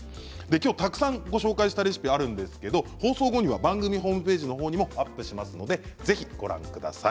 今日は、たくさんご紹介したレシピがあるんですが放送後には番組ホームページの方にもアップしますのでぜひご覧ください。